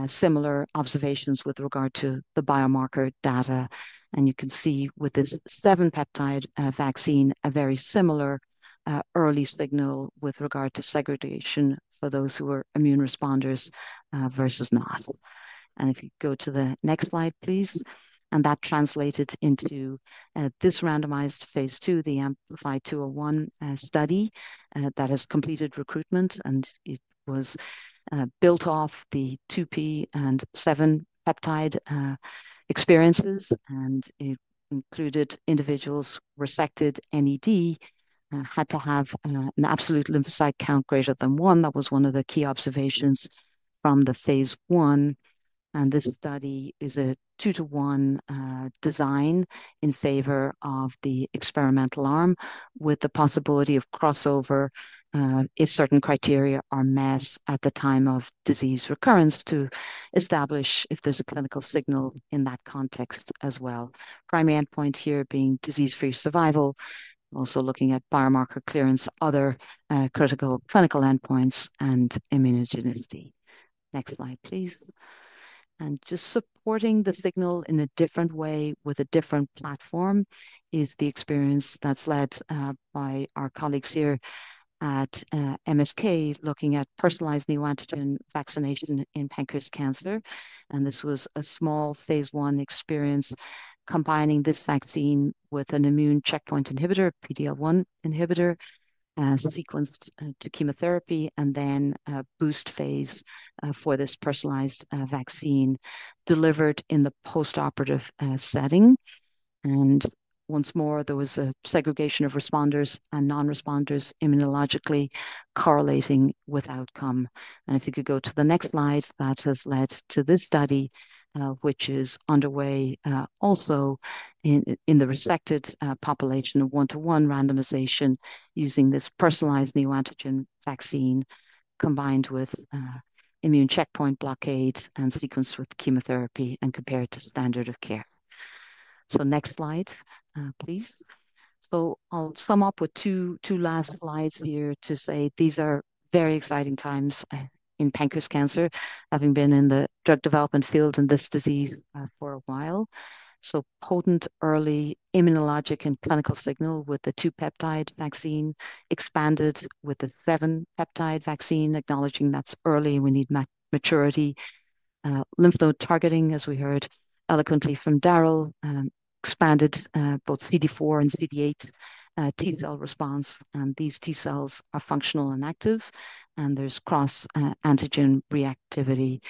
S5: similar observations with regard to the biomarker data. You can see with this seven peptide vaccine, a very similar early signal with regard to segregation for those who were immune responders versus not. If you go to the next slide, please. That translated into this randomized phase two, the AMPLIFY-201 study that has completed recruitment. It was built off the 2P and seven peptide experiences. It included individuals resected NED, had to have an absolute lymphocyte count greater than one. That was one of the key observations from the phase one. This study is a two-to-one design in favor of the experimental arm with the possibility of crossover if certain criteria are met at the time of disease recurrence to establish if there is a clinical signal in that context as well. Primary endpoint here being disease-free survival. Also looking at biomarker clearance, other critical clinical endpoints, and immunogenicity. Next slide, please. Just supporting the signal in a different way with a different platform is the experience that's led by our colleagues here at MSK looking at personalized neoantigen vaccination in pancreas cancer. This was a small phase one experience combining this vaccine with an immune checkpoint inhibitor, PD-L1 inhibitor, sequenced to chemotherapy, and then a boost phase for this personalized vaccine delivered in the postoperative setting. Once more, there was a segregation of responders and non-responders immunologically correlating with outcome. If you could go to the next slide, that has led to this study, which is underway also in the resected population of one-to-one randomization using this personalized neoantigen vaccine combined with immune checkpoint blockade and sequenced with chemotherapy and compared to standard of care. Next slide, please. I'll sum up with two last slides here to say these are very exciting times in pancreas cancer, having been in the drug development field in this disease for a while. Potent early immunologic and clinical signal with the two peptide vaccine expanded with the seven peptide vaccine, acknowledging that's early, we need maturity. Lymph node targeting, as we heard eloquently from Darrell, expanded both CD4 and CD8 T cell response. These T cells are functional and active. There's cross-antigen reactivity.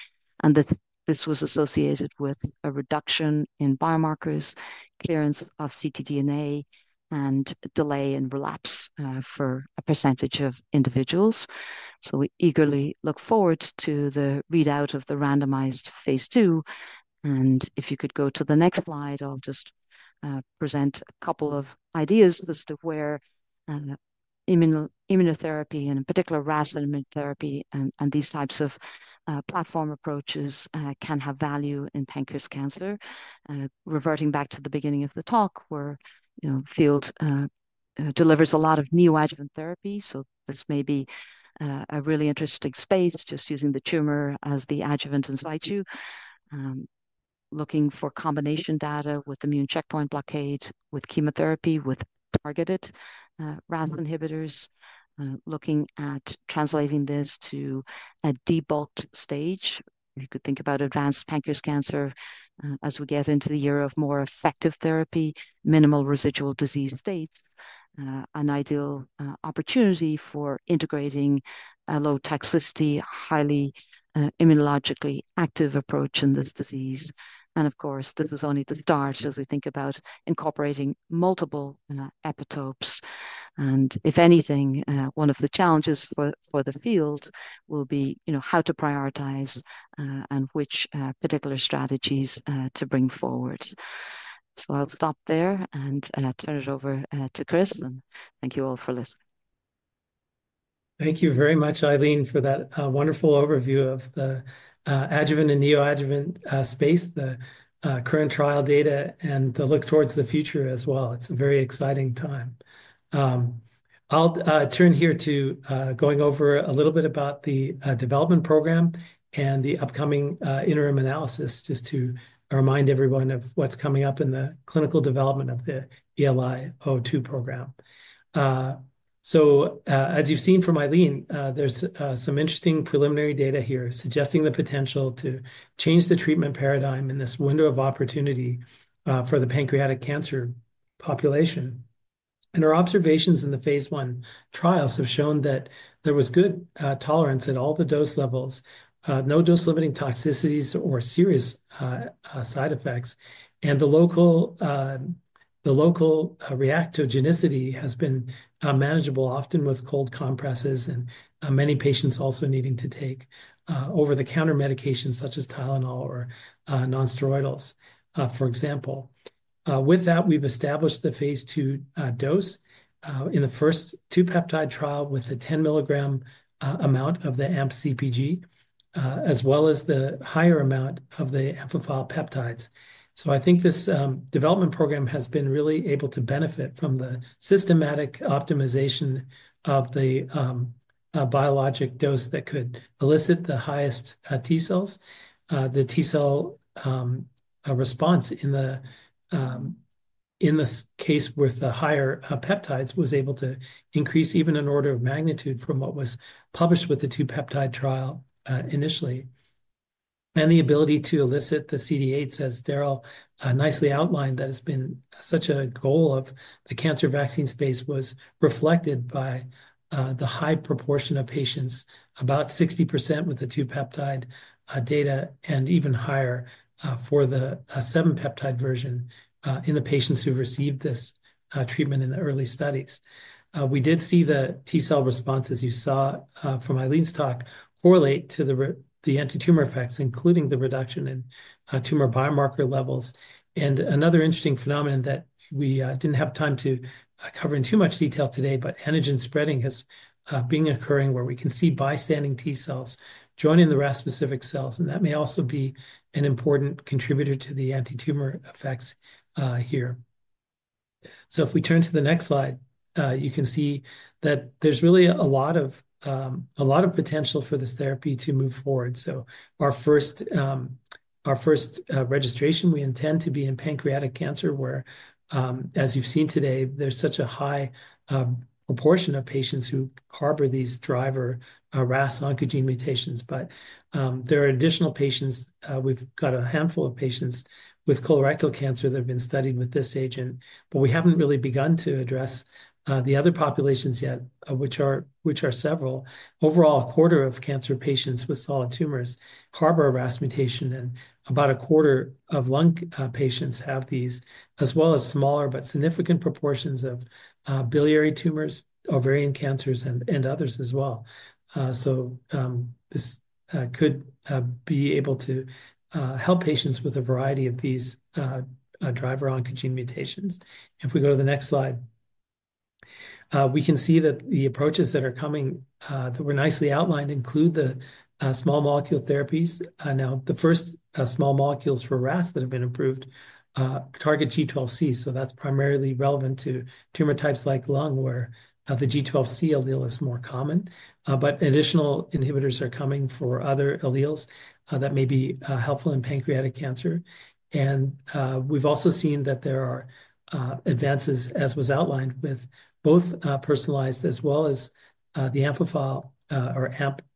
S5: This was associated with a reduction in biomarkers, clearance of ctDNA, and delay in relapse for a percentage of individuals. We eagerly look forward to the readout of the randomized phase two. If you could go to the next slide, I'll just present a couple of ideas as to where immunotherapy, and in particular, RAS immunotherapy, and these types of platform approaches can have value in pancreas cancer. Reverting back to the beginning of the talk, where the field delivers a lot of neoadjuvant therapy. This may be a really interesting space, just using the tumor as the adjuvant in situ, looking for combination data with immune checkpoint blockade, with chemotherapy, with targeted RAS inhibitors, looking at translating this to a debulked stage. You could think about advanced pancreas cancer as we get into the year of more effective therapy, minimal residual disease states, an ideal opportunity for integrating a low toxicity, highly immunologically active approach in this disease. Of course, this is only the start as we think about incorporating multiple epitopes. If anything, one of the challenges for the field will be how to prioritize and which particular strategies to bring forward. I'll stop there and turn it over to Chris. Thank you all for listening.
S4: Thank you very much, Eileen, for that wonderful overview of the adjuvant and neoadjuvant space, the current trial data, and the look towards the future as well. It's a very exciting time. I'll turn here to going over a little bit about the development program and the upcoming interim analysis just to remind everyone of what's coming up in the clinical development of the ELI-002 program. As you've seen from Eileen, there's some interesting preliminary data here suggesting the potential to change the treatment paradigm in this window of opportunity for the pancreatic cancer population. Our observations in the phase one trials have shown that there was good tolerance at all the dose levels, no dose-limiting toxicities or serious side effects. The local reactogenicity has been manageable, often with cold compresses and many patients also needing to take over-the-counter medications such as Tylenol or nonsteroidals, for example. With that, we've established the phase two dose in the first two peptide trial with a 10 milligram amount of the AMP-CpG, as well as the higher amount of the amplified peptides. I think this development program has been really able to benefit from the systematic optimization of the biologic dose that could elicit the highest T cells. The T cell response in this case with the higher peptides was able to increase even an order of magnitude from what was published with the two peptide trial initially. The ability to elicit the CD8, as Darrell nicely outlined, that has been such a goal of the cancer vaccine space was reflected by the high proportion of patients, about 60% with the two peptide data and even higher for the seven peptide version in the patients who received this treatment in the early studies. We did see the T cell response, as you saw from Eileen's talk, correlate to the anti-tumor effects, including the reduction in tumor biomarker levels. Another interesting phenomenon that we did not have time to cover in too much detail today, but antigen spreading is occurring where we can see bystanding T cells joining the RAS-specific cells. That may also be an important contributor to the anti-tumor effects here. If we turn to the next slide, you can see that there's really a lot of potential for this therapy to move forward. Our first registration, we intend to be in pancreatic cancer, where, as you've seen today, there's such a high proportion of patients who harbor these driver RAS oncogene mutations. There are additional patients. We've got a handful of patients with colorectal cancer that have been studied with this agent. We haven't really begun to address the other populations yet, which are several. Overall, a quarter of cancer patients with solid tumors harbor a RAS mutation. About a quarter of lung patients have these, as well as smaller but significant proportions of biliary tumors, ovarian cancers, and others as well. This could be able to help patients with a variety of these driver oncogene mutations. If we go to the next slide, we can see that the approaches that are coming that were nicely outlined include the small molecule therapies. Now, the first small molecules for RAS that have been approved target G12C. That's primarily relevant to tumor types like lung, where the G12C allele is more common. Additional inhibitors are coming for other alleles that may be helpful in pancreatic cancer. We've also seen that there are advances, as was outlined, with both personalized as well as the AMP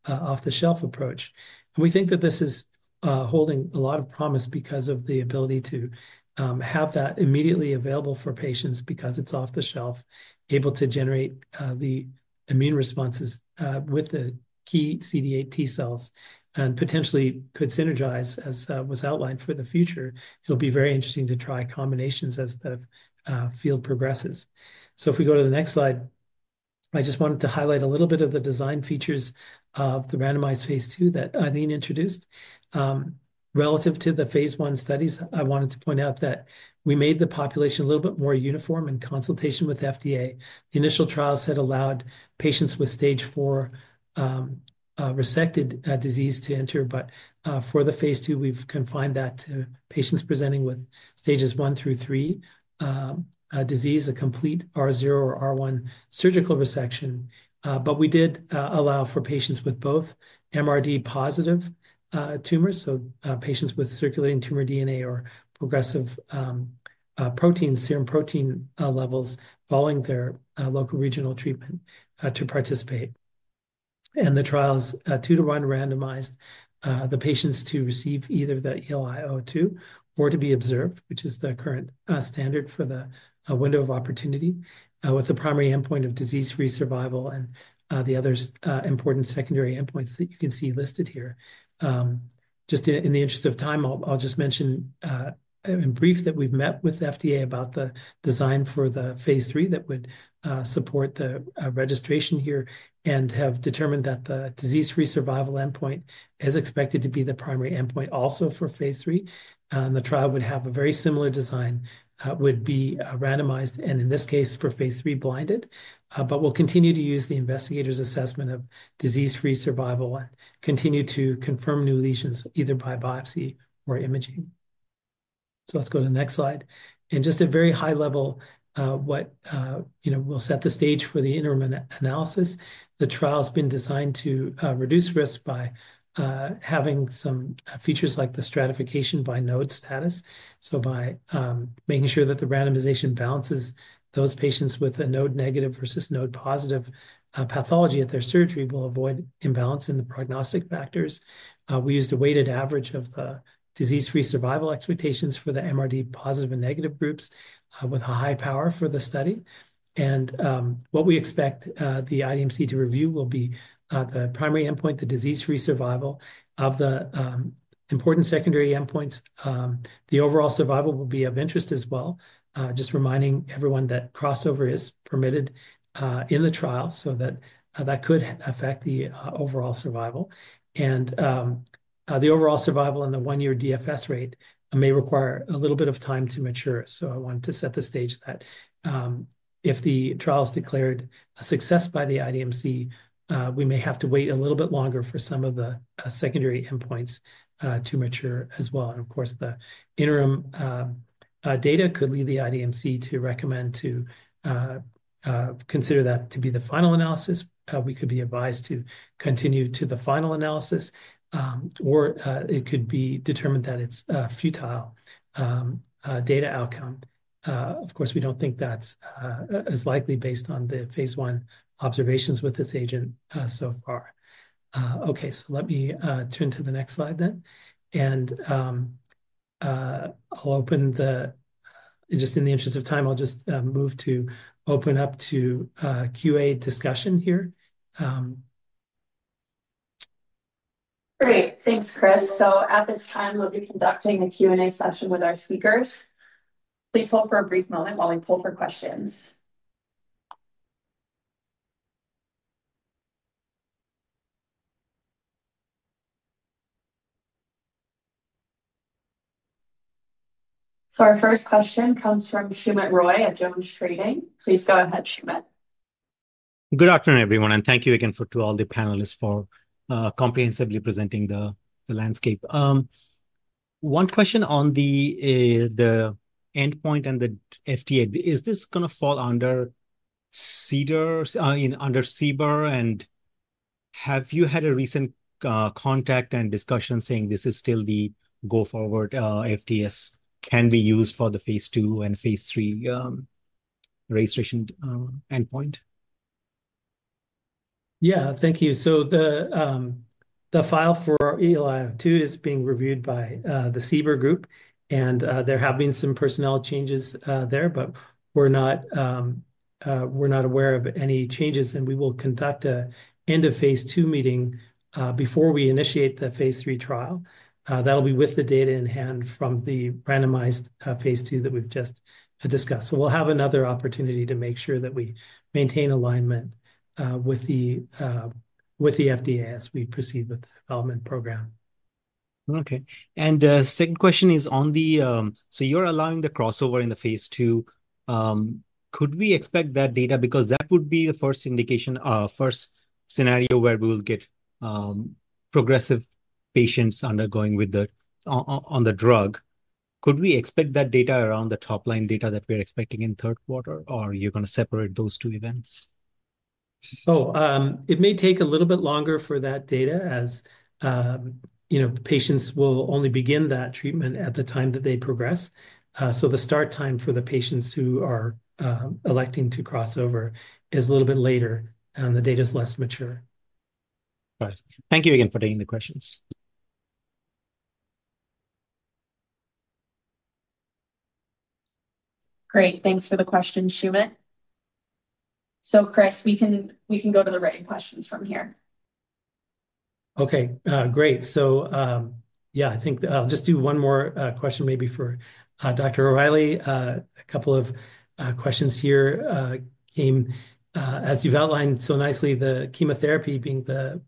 S4: off-the-shelf approach. We think that this is holding a lot of promise because of the ability to have that immediately available for patients because it's off-the-shelf, able to generate the immune responses with the key CD8 T cells and potentially could synergize, as was outlined for the future. It'll be very interesting to try combinations as the field progresses. If we go to the next slide, I just wanted to highlight a little bit of the design features of the randomized phase two that Eileen introduced. Relative to the phase one studies, I wanted to point out that we made the population a little bit more uniform in consultation with FDA. Initial trials had allowed patients with stage four resected disease to enter. For the phase two, we've confined that to patients presenting with stages one through three disease, a complete R0 or R1 surgical resection. We did allow for patients with both MRD-positive tumors, so patients with circulating tumor DNA or progressive protein, serum protein levels following their local regional treatment to participate. The trial is two-to-one randomized. The patients receive either the ELI-002 or are observed, which is the current standard for the window of opportunity, with the primary endpoint of disease-free survival and the other important secondary endpoints that you can see listed here. Just in the interest of time, I'll just mention in brief that we've met with the FDA about the design for the phase three that would support the registration here and have determined that the disease-free survival endpoint is expected to be the primary endpoint also for phase three. The trial would have a very similar design, would be randomized, and in this case, for phase three, blinded. We'll continue to use the investigator's assessment of disease-free survival and continue to confirm new lesions either by biopsy or imaging. Let's go to the next slide. At a very high level, what will set the stage for the interim analysis, the trial has been designed to reduce risk by having some features like the stratification by node status. By making sure that the randomization balances those patients with a node-negative versus node-positive pathology at their surgery, we will avoid imbalance in the prognostic factors. We used a weighted average of the disease-free survival expectations for the MRD-positive and negative groups with a high power for the study. What we expect the IDMC to review will be the primary endpoint, the disease-free survival, and the important secondary endpoints. The overall survival will be of interest as well, just reminding everyone that crossover is permitted in the trial so that could affect the overall survival. The overall survival and the one-year DFS rate may require a little bit of time to mature. I wanted to set the stage that if the trial is declared a success by the IDMC, we may have to wait a little bit longer for some of the secondary endpoints to mature as well. Of course, the interim data could lead the IDMC to recommend to consider that to be the final analysis. We could be advised to continue to the final analysis, or it could be determined that it's a futile data outcome. Of course, we don't think that's as likely based on the phase one observations with this agent so far. Okay, let me turn to the next slide then. I'll open the, just in the interest of time, I'll just move to open up to Q&A discussion here. Great. Thanks, Chris.
S1: At this time, we'll be conducting a Q&A session with our speakers. Please hold for a brief moment while we pull for questions. Our first question comes from Soumit Roy at Jones Trading. Please go ahead, Soumit.
S6: Good afternoon, everyone. Thank you again to all the panelists for comprehensively presenting the landscape. One question on the endpoint and the FDA, is this going to fall under CDER or under CBER? Have you had a recent contact and discussion saying this is still the go-forward FDS can be used for the phase two and phase three registration endpoint? Yeah, thank you. The file for ELI-002 is being reviewed by the CBER group. There have been some personnel changes there, but we are not aware of any changes. We will conduct an end-of-phase two meeting before we initiate the phase three trial. That will be with the data in hand from the randomized phase two that we have just discussed.
S3: We will have another opportunity to make sure that we maintain alignment with the FDA as we proceed with the development program. Okay. The second question is on the, so you're allowing the crossover in the phase two. Could we expect that data because that would be the first indication, first scenario where we will get progressive patients undergoing with the drug? Could we expect that data around the top-line data that we're expecting in third quarter, or are you going to separate those two events? Oh, it may take a little bit longer for that data as patients will only begin that treatment at the time that they progress. The start time for the patients who are electing to crossover is a little bit later, and the data is less mature. Right. Thank you again for taking the questions. Great. Thanks for the question, Soumit. Chris, we can go to the writing questions from here.
S4: Okay, great. I think I'll just do one more question maybe for Dr. O'Reilly. A couple of questions here came as you've outlined so nicely, the chemotherapy being the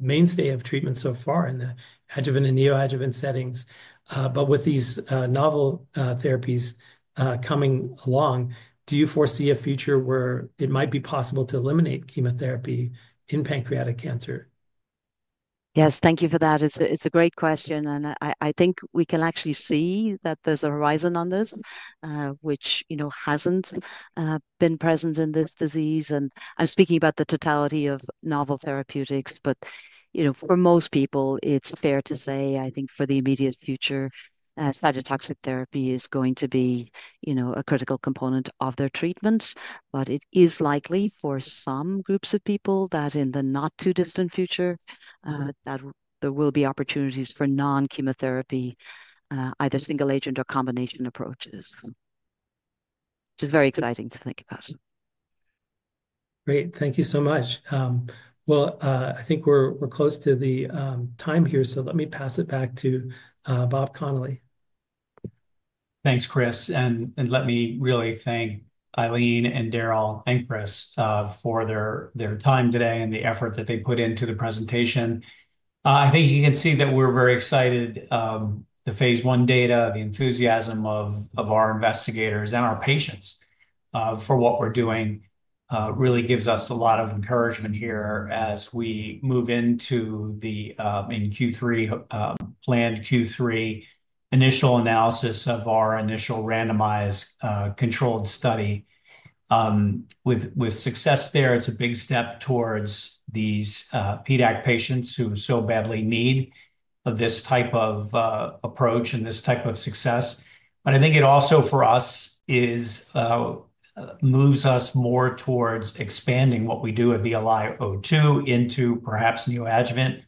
S4: mainstay of treatment so far in the adjuvant and neoadjuvant settings. With these novel therapies coming along, do you foresee a future where it might be possible to eliminate chemotherapy in pancreatic cancer?
S5: Yes, thank you for that. It's a great question. I think we can actually see that there's a horizon on this, which hasn't been present in this disease. I'm speaking about the totality of novel therapeutics. For most people, it's fair to say, I think for the immediate future, cytotoxic therapy is going to be a critical component of their treatments. It is likely for some groups of people that in the not-too-distant future, there will be opportunities for non-chemotherapy, either single-agent or combination approaches. It's very exciting to think about. Great. Thank you so much. I think we're close to the time here. Let me pass it back to Bob Conley.
S2: Thanks, Chris. Let me really thank Eileen and Darrell and Chris for their time today and the effort that they put into the presentation. I think you can see that we're very excited. The phase one data, the enthusiasm of our investigators and our patients for what we're doing really gives us a lot of encouragement here as we move into the planned Q3 initial analysis of our initial randomized controlled study.
S3: With success there, it's a big step towards these PDAC patients who so badly need this type of approach and this type of success. I think it also for us moves us more towards expanding what we do at the ELI-002 into perhaps neoadjuvant,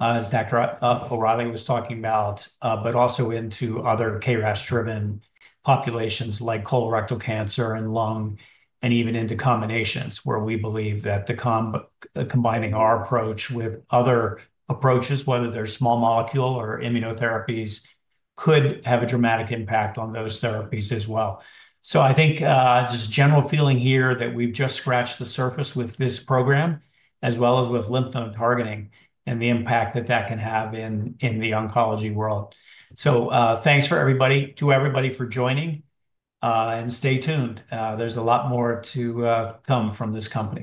S3: as Dr. O'Reilly was talking about, but also into other KRAS-driven populations like colorectal cancer and lung, and even into combinations where we believe that combining our approach with other approaches, whether they're small molecule or immunotherapies, could have a dramatic impact on those therapies as well. I think just a general feeling here that we've just scratched the surface with this program, as well as with lymph node targeting and the impact that that can have in the oncology world. Thanks for everybody. To everybody for joining. Stay tuned. There's a lot more to come from this company.